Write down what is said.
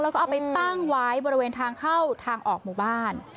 แล้วก็เอาไปตั้งไว้บริเวณทางเข้าทางออกหมู่บ้าน